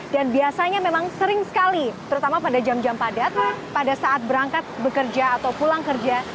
dan biasanya memang sering sekali terutama pada jam jam padat pada saat berangkat bekerja atau pulang kerja